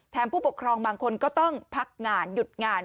ผู้ปกครองบางคนก็ต้องพักงานหยุดงาน